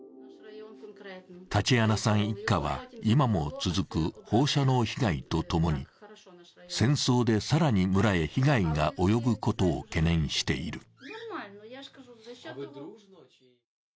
タチアナさん一家は、今も続く放射能被害とともに、戦争で更に村へ被害が及ぶことを懸念している。